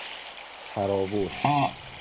تراوش